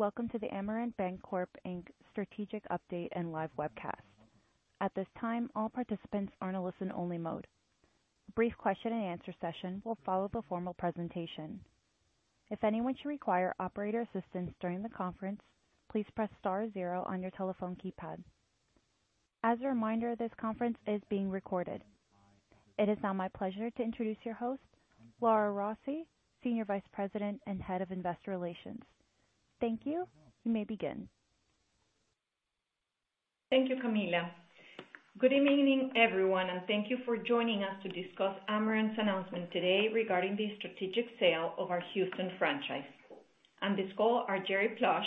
Welcome to the Amerant Bancorp Inc. strategic update and live webcast. At this time, all participants are in a listen-only mode. Brief question-and-answer session will follow the formal presentation. If anyone should require operator assistance during the conference, please press star zero on your telephone keypad. As a reminder, this conference is being recorded. It is now my pleasure to introduce your host, Laura Rossi, Senior Vice President and Head of Investor Relations. Thank you, you may begin. Thank you, Camilla. Good evening, everyone, and thank you for joining us to discuss Amerant's announcement today regarding the strategic sale of our Houston franchise. On this call are Jerry Plush,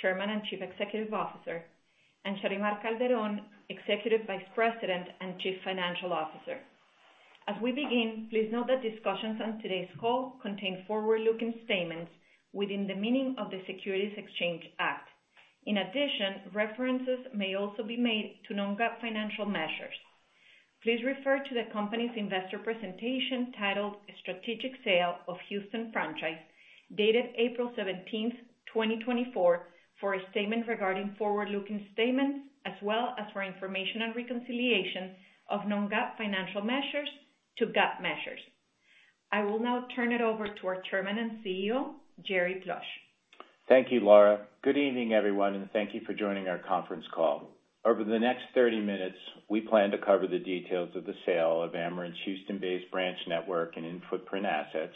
Chairman and Chief Executive Officer, and Sharymar Calderón, Executive Vice President and Chief Financial Officer. As we begin, please note that discussions on today's call contain forward-looking statements within the meaning of the Securities Exchange Act. In addition, references may also be made to non-GAAP financial measures. Please refer to the company's investor presentation titled "Strategic Sale of Houston Franchise," dated April 17, 2024, for a statement regarding forward-looking statements as well as for information and reconciliation of non-GAAP financial measures to GAAP measures. I will now turn it over to our Chairman and CEO, Jerry Plush. Thank you, Laura. Good evening, everyone, and thank you for joining our conference call. Over the next 30 minutes, we plan to cover the details of the sale of Amerant's Houston-based branch network and in-footprint assets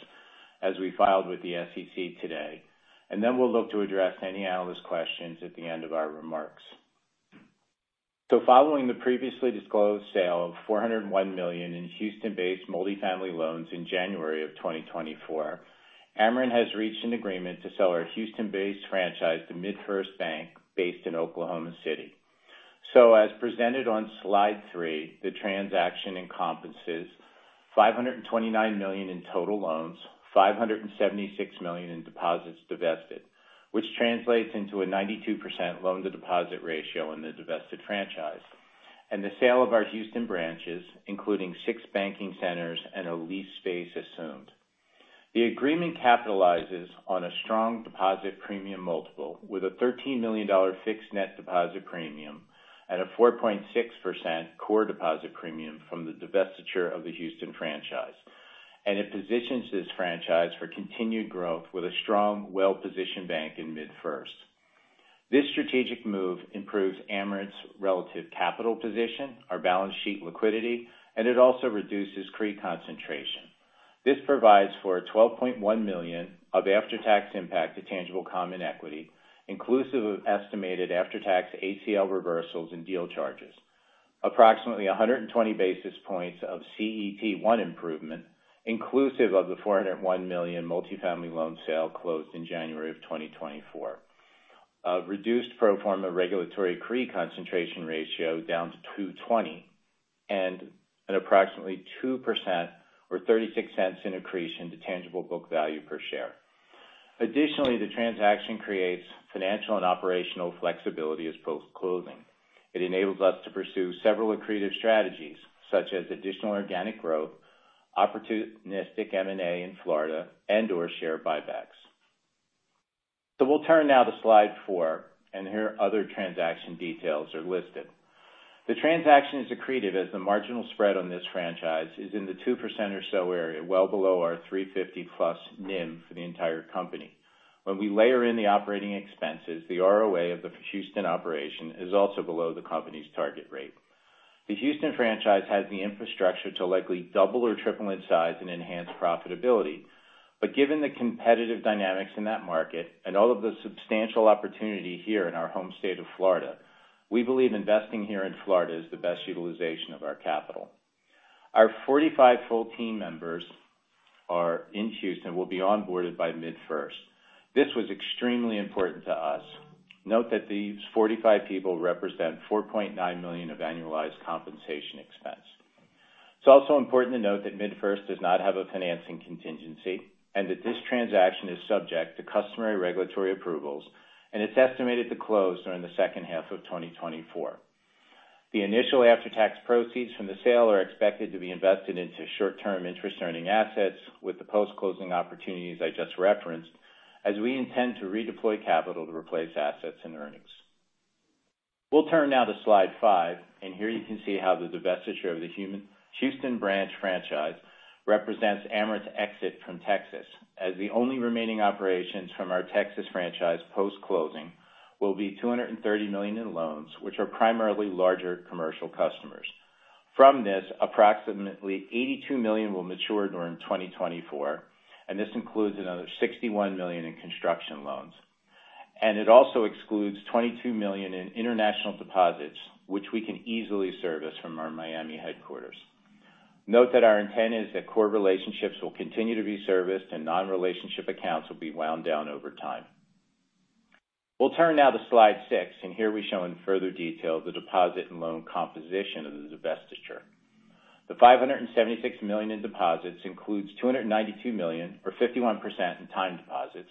as we filed with the SEC today, and then we'll look to address any analyst questions at the end of our remarks. Following the previously disclosed sale of $401 million in Houston-based multifamily loans in January of 2024, Amerant has reached an agreement to sell our Houston-based franchise to MidFirst Bank based in Oklahoma City. As presented on slide three, the transaction encompasses $529 million in total loans, $576 million in deposits divested, which translates into a 92% loan-to-deposit ratio in the divested franchise, and the sale of our Houston branches, including six banking centers and a lease space assumed. The agreement capitalizes on a strong deposit premium multiple with a $13 million fixed net deposit premium and a 4.6% core deposit premium from the divestiture of the Houston franchise, and it positions this franchise for continued growth with a strong, well-positioned bank in MidFirst. This strategic move improves Amerant's relative capital position, our balance sheet liquidity, and it also reduces CRE concentration. This provides for $12.1 million of after-tax impact to tangible common equity, inclusive of estimated after-tax ACL reversals and deal charges, approximately 120 basis points of CET1 improvement, inclusive of the $401 million multifamily loan sale closed in January of 2024, a reduced pro forma regulatory CRE concentration ratio down to 220, and an approximately 2% or $0.36 increase in the tangible book value per share. Additionally, the transaction creates financial and operational flexibility as post-closing. It enables us to pursue several accretive strategies such as additional organic growth, opportunistic M&A in Florida, and/or share buybacks. So we'll turn now to slide four, and here other transaction details are listed. The transaction is accretive as the marginal spread on this franchise is in the 2% or so area, well below our 350+ NIM for the entire company. When we layer in the operating expenses, the ROA of the Houston operation is also below the company's target rate. The Houston franchise has the infrastructure to likely double or triple in size and enhance profitability, but given the competitive dynamics in that market and all of the substantial opportunity here in our home state of Florida, we believe investing here in Florida is the best utilization of our capital. Our 45 full-time team members are in Houston and will be onboarded by MidFirst. This was extremely important to us. Note that these 45 people represent $4.9 million of annualized compensation expense. It's also important to note that MidFirst does not have a financing contingency and that this transaction is subject to customary regulatory approvals, and it's estimated to close during the second half of 2024. The initial after-tax proceeds from the sale are expected to be invested into short-term interest-earning assets with the post-closing opportunities I just referenced as we intend to redeploy capital to replace assets and earnings. We'll turn now to slide five, and here you can see how the divestiture of the Houston branch franchise represents Amerant's exit from Texas, as the only remaining operations from our Texas franchise post-closing will be $230 million in loans, which are primarily larger commercial customers. From this, approximately $82 million will mature during 2024, and this includes another $61 million in construction loans. It also excludes $22 million in international deposits, which we can easily service from our Miami headquarters. Note that our intent is that core relationships will continue to be serviced and non-relationship accounts will be wound down over time. We'll turn now to slide six, and here we show in further detail the deposit and loan composition of the divestiture. The $576 million in deposits includes $292 million or 51% in time deposits,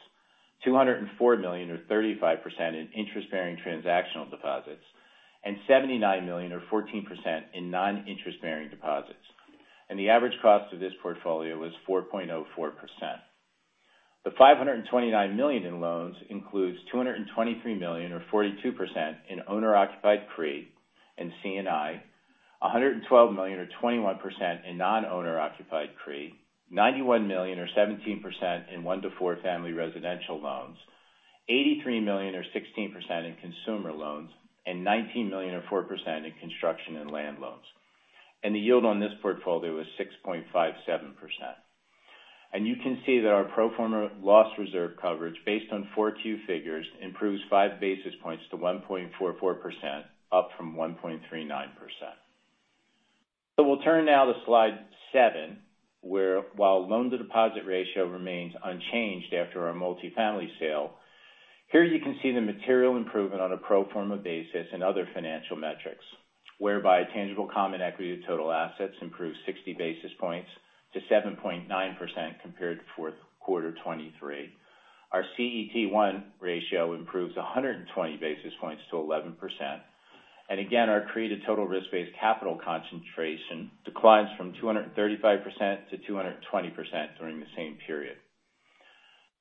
$204 million or 35% in interest-bearing transactional deposits, and $79 million or 14% in non-interest-bearing deposits. The average cost of this portfolio was 4.04%. The $529 million in loans includes $223 million or 42% in owner-occupied CRE and C&I, $112 million or 21% in non-owner-occupied CRE, $91 million or 17% in one-to-four family residential loans, $83 million or 16% in consumer loans, and $19 million or 4% in construction and land loans. The yield on this portfolio was 6.57%. You can see that our pro forma loss reserve coverage based on 4Q figures improves five basis points to 1.44%, up from 1.39%. We'll turn now to slide seven, where while loan-to-deposit ratio remains unchanged after our multifamily sale, here you can see the material improvement on a pro forma basis and other financial metrics, whereby tangible common equity to total assets improves 60 basis points to 7.9% compared to fourth quarter 2023. Our CET1 ratio improves 120 basis points to 11%. Again, our CRE to total risk-based capital concentration declines from 235%-220% during the same period.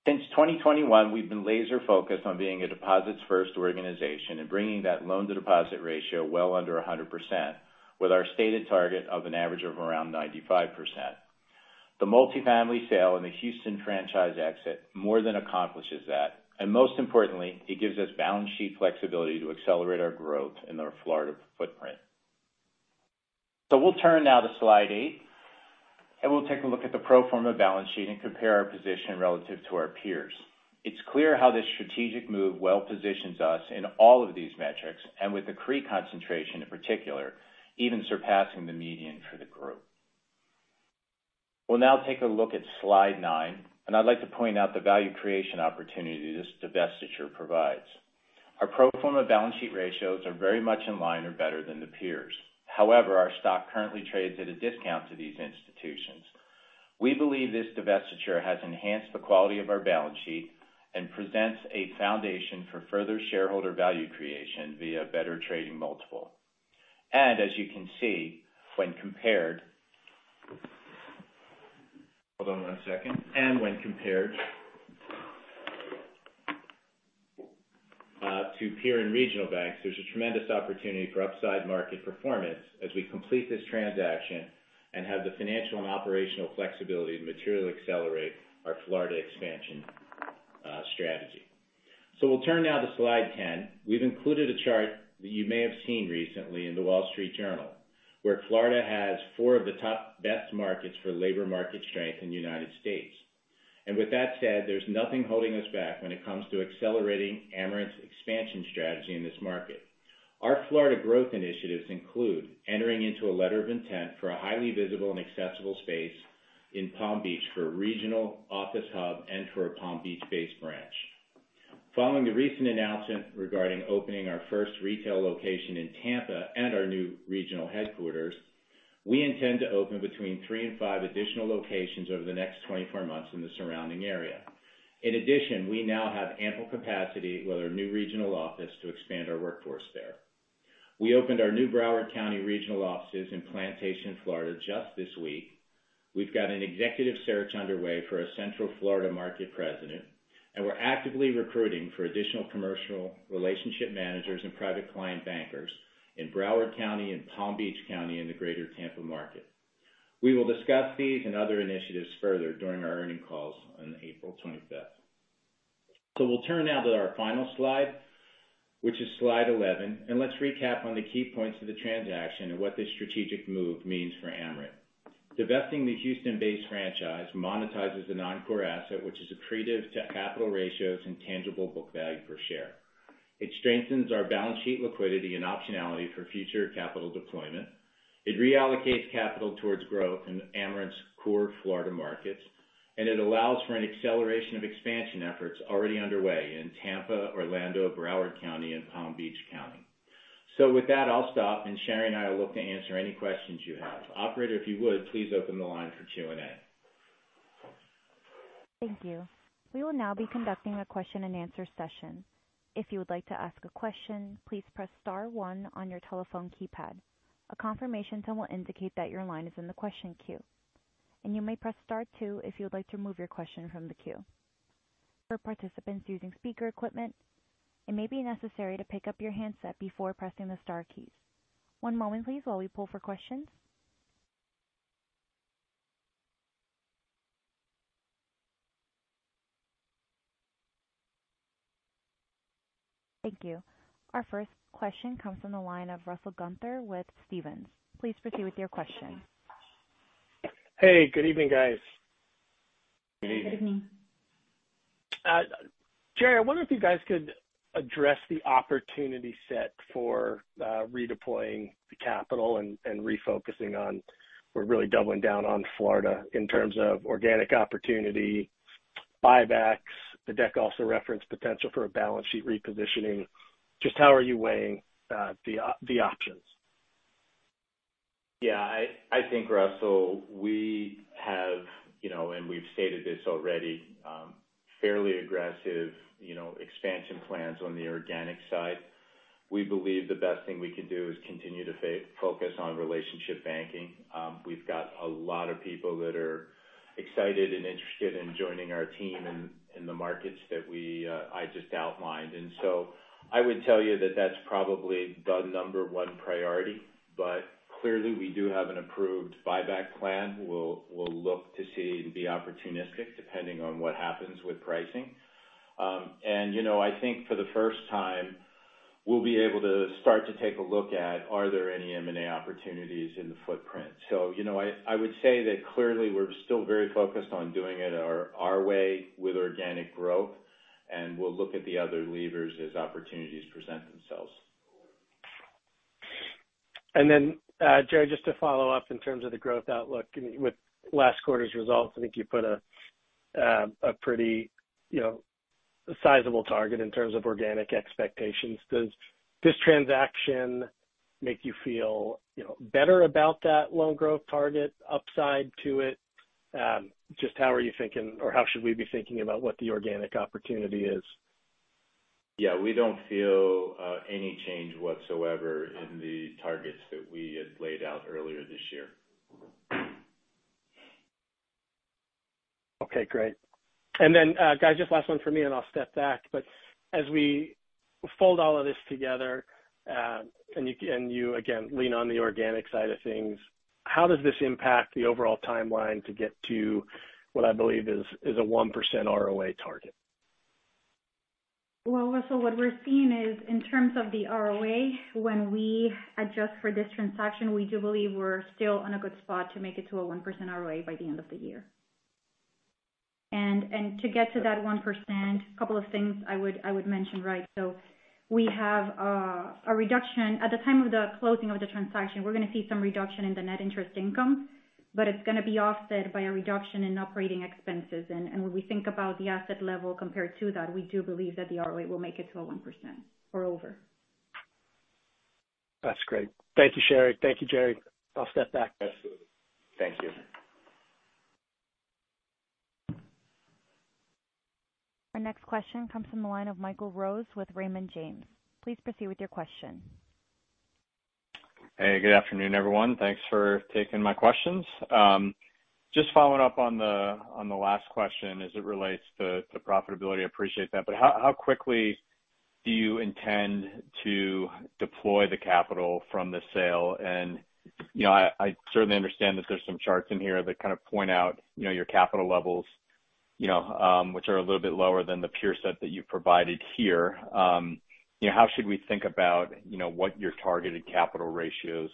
Since 2021, we've been laser-focused on being a deposits-first organization and bringing that loan-to-deposit ratio well under 100%, with our stated target of an average of around 95%. The multifamily sale and the Houston franchise exit more than accomplishes that, and most importantly, it gives us balance sheet flexibility to accelerate our growth in our Florida footprint. So we'll turn now to slide eight, and we'll take a look at the pro forma balance sheet and compare our position relative to our peers. It's clear how this strategic move well positions us in all of these metrics, and with the CRE concentration in particular, even surpassing the median for the group. We'll now take a look at slide nine, and I'd like to point out the value creation opportunity this divestiture provides. Our pro forma balance sheet ratios are very much in line or better than the peers. However, our stock currently trades at a discount to these institutions. We believe this divestiture has enhanced the quality of our balance sheet and presents a foundation for further shareholder value creation via a better trading multiple. And as you can see, when compared. Hold on one second. And when compared to peer and regional banks, there's a tremendous opportunity for upside market performance as we complete this transaction and have the financial and operational flexibility to materially accelerate our Florida expansion strategy. So we'll turn now to slide 10. We've included a chart that you may have seen recently in the Wall Street Journal, where Florida has four of the top best markets for labor market strength in the United States. And with that said, there's nothing holding us back when it comes to accelerating Amerant's expansion strategy in this market. Our Florida growth initiatives include entering into a letter of intent for a highly visible and accessible space in Palm Beach for a regional office hub and for a Palm Beach-based branch. Following the recent announcement regarding opening our first retail location in Tampa and our new regional headquarters, we intend to open between three and five additional locations over the next 24 months in the surrounding area. In addition, we now have ample capacity with our new regional office to expand our workforce there. We opened our new Broward County regional offices in Plantation, Florida, just this week. We've got an executive search underway for a Central Florida market president, and we're actively recruiting for additional commercial relationship managers and private client bankers in Broward County and Palm Beach County in the greater Tampa market. We will discuss these and other initiatives further during our earnings calls on April 25th. We'll turn now to our final slide, which is slide 11, and let's recap on the key points of the transaction and what this strategic move means for Amerant. Divesting the Houston-based franchise monetizes a non-core asset, which is accretive to capital ratios and tangible book value per share. It strengthens our balance sheet liquidity and optionality for future capital deployment. It reallocates capital towards growth in Amerant's core Florida markets, and it allows for an acceleration of expansion efforts already underway in Tampa, Orlando, Broward County, and Palm Beach County. With that, I'll stop, and Sharymar will look to answer any questions you have. Operator, if you would, please open the line for Q&A. Thank you. We will now be conducting a question-and-answer session. If you would like to ask a question, please press star one on your telephone keypad. A confirmation tone will indicate that your line is in the question queue. You may press star two if you would like to remove your question from the queue. For participants using speaker equipment, it may be necessary to pick up your handset before pressing the star keys. One moment, please, while we poll for questions. Thank you. Our first question comes from the line of Russell Gunther with Stephens. Please proceed with your question. Hey. Good evening, guys. Good evening. Jerry, I wonder if you guys could address the opportunity set for redeploying the capital and refocusing on we're really doubling down on Florida in terms of organic opportunity, buybacks. The deck also referenced potential for a balance sheet repositioning. Just how are you weighing the options? Yeah. I think, Russell, we have, and we've stated this already, fairly aggressive expansion plans on the organic side. We believe the best thing we can do is continue to focus on relationship banking. We've got a lot of people that are excited and interested in joining our team in the markets that I just outlined. And so I would tell you that that's probably the number one priority. But clearly, we do have an approved buyback plan. We'll look to see and be opportunistic depending on what happens with pricing. And I think for the first time, we'll be able to start to take a look at, are there any M&A opportunities in the footprint? So I would say that clearly, we're still very focused on doing it our way with organic growth, and we'll look at the other levers as opportunities present themselves. And then, Jerry, just to follow up in terms of the growth outlook, with last quarter's results, I think you put a pretty sizable target in terms of organic expectations. Does this transaction make you feel better about that loan growth target, upside to it? Just how are you thinking, or how should we be thinking about what the organic opportunity is? Yeah. We don't feel any change whatsoever in the targets that we had laid out earlier this year. Okay. Great. And then, guys, just last one from me, and I'll step back. But as we fold all of this together and you, again, lean on the organic side of things, how does this impact the overall timeline to get to what I believe is a 1% ROA target? Well, Russell, what we're seeing is in terms of the ROA, when we adjust for this transaction, we do believe we're still on a good spot to make it to a 1% ROA by the end of the year. And to get to that 1%, a couple of things I would mention, right? So we have a reduction at the time of the closing of the transaction, we're going to see some reduction in the net interest income, but it's going to be offset by a reduction in operating expenses. And when we think about the asset level compared to that, we do believe that the ROA will make it to a 1% or over. That's great. Thank you, Sherry. Thank you, Jerry. I'll step back. Absolutely. Thank you. Our next question comes from the line of Michael Rose with Raymond James. Please proceed with your question. Hey. Good afternoon, everyone. Thanks for taking my questions. Just following up on the last question as it relates to profitability, I appreciate that. But how quickly do you intend to deploy the capital from this sale? And I certainly understand that there's some charts in here that kind of point out your capital levels, which are a little bit lower than the peer set that you've provided here. How should we think about what your targeted capital ratios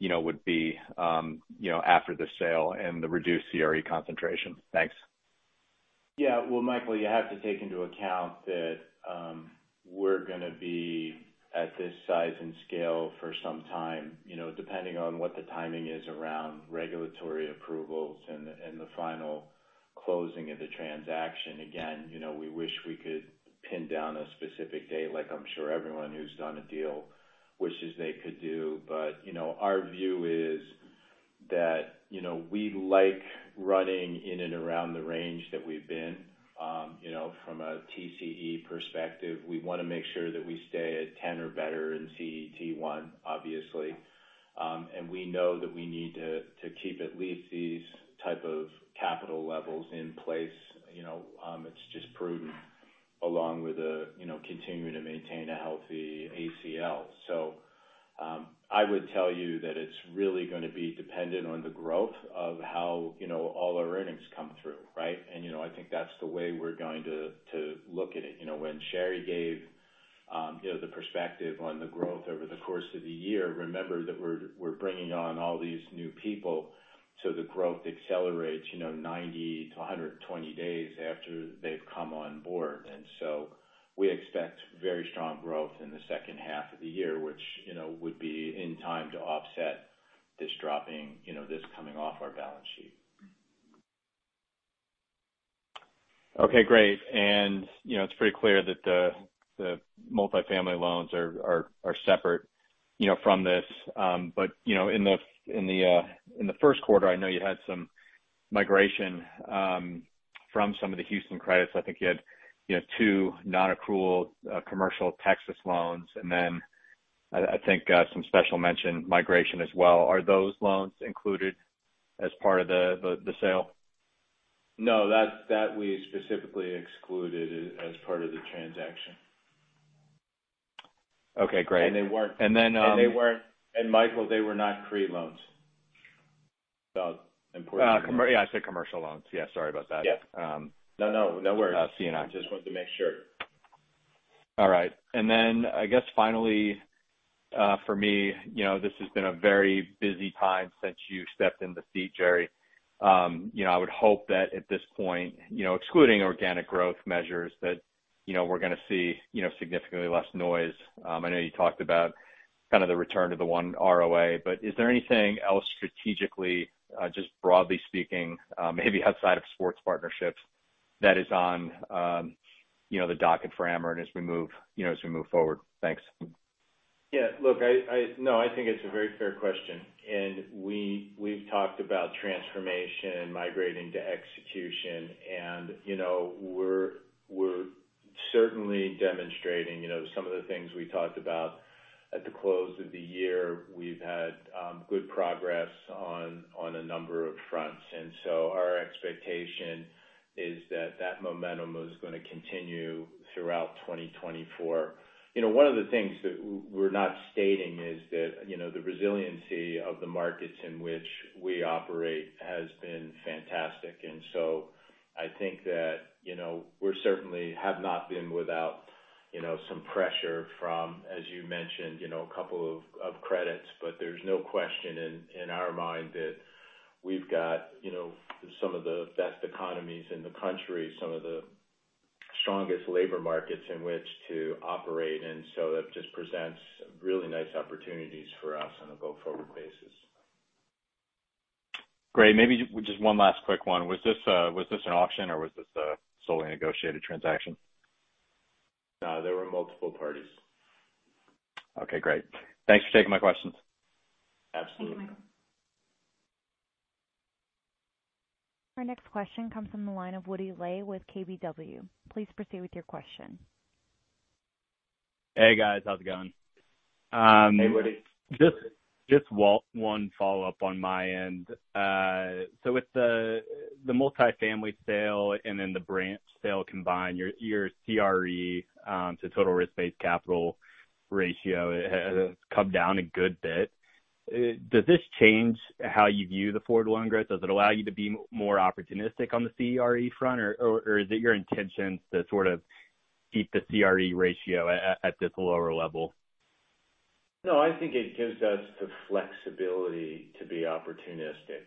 would be after the sale and the reduced CRE concentration? Thanks. Yeah. Well, Michael, you have to take into account that we're going to be at this size and scale for some time, depending on what the timing is around regulatory approvals and the final closing of the transaction. Again, we wish we could pin down a specific date, like I'm sure everyone who's done a deal wishes they could do. But our view is that we like running in and around the range that we've been from a TCE perspective. We want to make sure that we stay at 10 or better in CET1, obviously. And we know that we need to keep at least these type of capital levels in place. It's just prudent, along with continuing to maintain a healthy ACL. So I would tell you that it's really going to be dependent on the growth of how all our earnings come through, right? I think that's the way we're going to look at it. When Sherry gave the perspective on the growth over the course of the year, remember that we're bringing on all these new people, so the growth accelerates 90-120 days after they've come on board. So we expect very strong growth in the second half of the year, which would be in time to offset this coming off our balance sheet. Okay. Great. It's pretty clear that the multifamily loans are separate from this. In the first quarter, I know you had some migration from some of the Houston credits. I think you had two non-accrual commercial Texas loans, and then I think some special mention migration as well. Are those loans included as part of the sale? No. That we specifically excluded as part of the transaction. They weren't. Okay. Great. And then. And Michael, they were not CRE loans. About importance of. Yeah. I said commercial loans. Yeah. Sorry about that. Yeah. No, no. No worries. C&I. I just wanted to make sure. All right. I guess finally, for me, this has been a very busy time since you stepped in the seat, Jerry. I would hope that at this point, excluding organic growth measures, that we're going to see significantly less noise. I know you talked about kind of the return to the 1 ROA, but is there anything else strategically, just broadly speaking, maybe outside of sports partnerships, that is on the docket for Amerant as we move forward? Thanks. Yeah. Look, no, I think it's a very fair question. And we've talked about transformation, migrating to execution, and we're certainly demonstrating some of the things we talked about at the close of the year. We've had good progress on a number of fronts. And so our expectation is that that momentum is going to continue throughout 2024. One of the things that we're not stating is that the resiliency of the markets in which we operate has been fantastic. And so I think that we certainly have not been without some pressure from, as you mentioned, a couple of credits. But there's no question in our mind that we've got some of the best economies in the country, some of the strongest labor markets in which to operate. And so that just presents really nice opportunities for us on a go-forward basis. Great. Maybe just one last quick one. Was this an auction, or was this a solely negotiated transaction? No. There were multiple parties. Okay. Great. Thanks for taking my questions. Absolutely. Thank you, Michael. Our next question comes from the line of Woody Lay with KBW. Please proceed with your question. Hey, guys. How's it going? Hey, Woody. Just one follow-up on my end. So with the multifamily sale and then the branch sale combined, your CRE, so total risk-based capital ratio, has come down a good bit. Does this change how you view the forward loan growth? Does it allow you to be more opportunistic on the CRE front, or is it your intention to sort of keep the CRE ratio at this lower level? No. I think it gives us the flexibility to be opportunistic.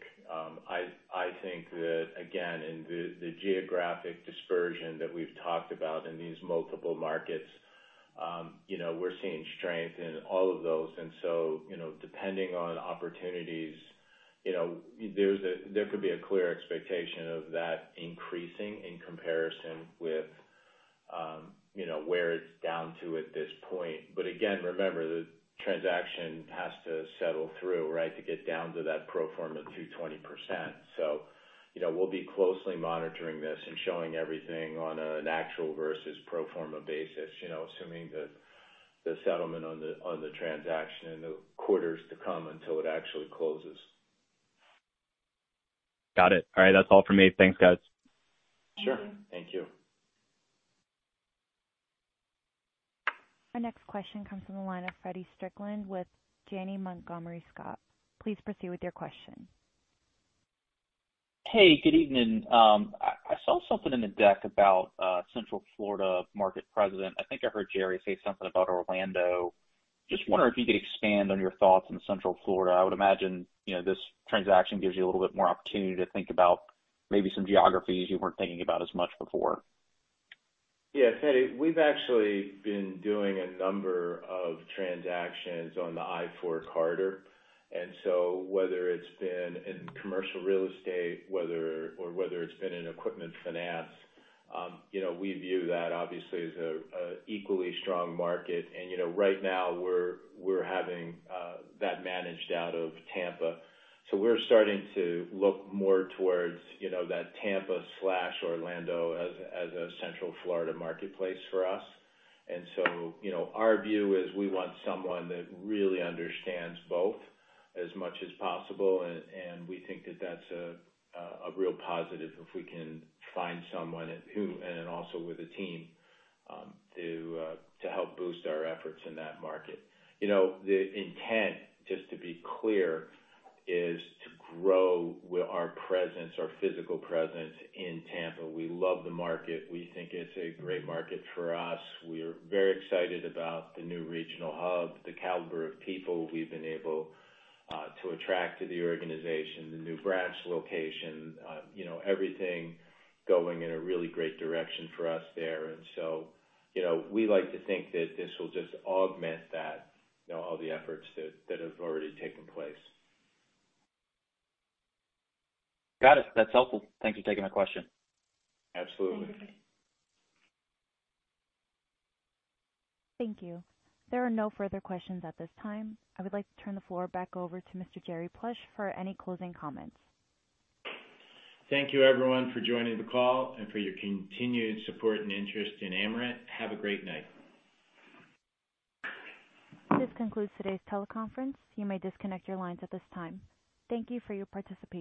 I think that, again, in the geographic dispersion that we've talked about in these multiple markets, we're seeing strength in all of those. And so depending on opportunities, there could be a clear expectation of that increasing in comparison with where it's down to at this point. But again, remember, the transaction has to settle through, right, to get down to that pro forma 220%. So we'll be closely monitoring this and showing everything on an actual versus pro forma basis, assuming the settlement on the transaction in the quarters to come until it actually closes. Got it. All right. That's all for me. Thanks, guys. Sure. Thank you. Thank you. Our next question comes from the line of Feddie Strickland with Janney Montgomery Scott. Please proceed with your question. Hey. Good evening. I saw something in the deck about Central Florida Market President. I think I heard Jerry say something about Orlando. Just wondering if you could expand on your thoughts on Central Florida. I would imagine this transaction gives you a little bit more opportunity to think about maybe some geographies you weren't thinking about as much before. Yes. Eddie, we've actually been doing a number of transactions on the I-4 corridor. And so whether it's been in commercial real estate or whether it's been in equipment finance, we view that, obviously, as an equally strong market. And right now, we're having that managed out of Tampa. So we're starting to look more towards that Tampa/Orlando as a Central Florida marketplace for us. And so our view is we want someone that really understands both as much as possible. And we think that that's a real positive if we can find someone and also with a team to help boost our efforts in that market. The intent, just to be clear, is to grow our presence, our physical presence in Tampa. We love the market. We think it's a great market for us. We're very excited about the new regional hub, the caliber of people we've been able to attract to the organization, the new branch location, everything going in a really great direction for us there. And so we like to think that this will just augment all the efforts that have already taken place. Got it. That's helpful. Thanks for taking my question. Absolutely. Thank you. Thank you. There are no further questions at this time. I would like to turn the floor back over to Mr. Jerry Plush for any closing comments. Thank you, everyone, for joining the call and for your continued support and interest in Amerant. Have a great night. This concludes today's teleconference. You may disconnect your lines at this time. Thank you for your participation.